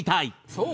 そう？